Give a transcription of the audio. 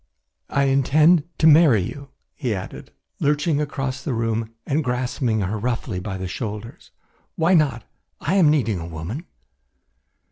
"I intend to marry you," he added, lurching across the room and grasping her roughly by the shoulders. "Why not? I am needing a woman."